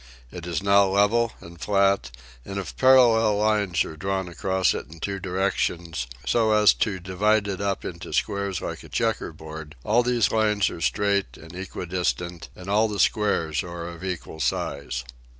It is now level and flat and if parallel lines are drawn across it in two directions so as to divide it up into squares like a checkerboard all these lines are straight and equidistant and all the squares are of equal size.